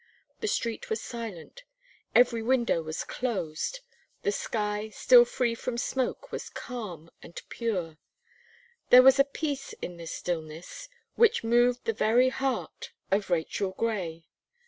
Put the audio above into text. The street was silent; every window was closed; the sky, still free from smoke was calm and pure; there was a peace in this stillness, which moved the very heart of Rachel Gray.